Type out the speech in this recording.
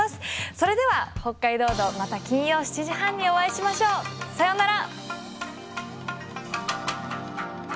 それでは「北海道道」また金曜７時半にお会いしましょう。さようなら！